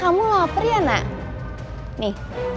aku mau ke rumah